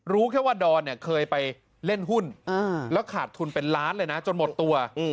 รู้แค่ว่าดอนเนี่ยเคยไปเล่นหุ้นแล้วขาดทุนเป็นล้านเลยนะจนหมดตัว